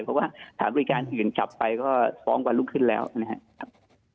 เพราะว่าถามบริการถึงกลับไปก็๒วันลุกขึ้นแล้วนะครับ